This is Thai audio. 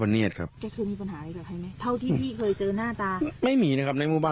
แกเคยมีปัญหาอะไรของใครแม่เท่าที่พี่เคยเจอหน้าตา